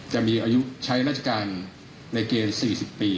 จะมีอายุใช้ราชการในเกณฑ์๔๐ปี